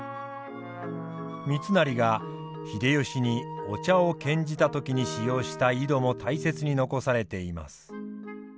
三成が秀吉にお茶を献じた時に使用した井戸も大切に残されています。